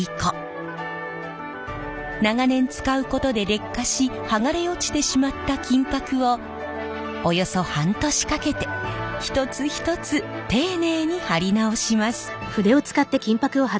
長年使うことで劣化し剥がれ落ちてしまった金箔をおよそ半年かけて一つ一つ丁寧に貼り直します。